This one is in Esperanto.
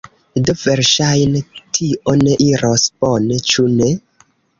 Do verŝajne, tio ne iros bone, ĉu ne?